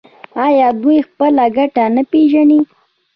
آیا دوی خپله ګټه نه پیژني؟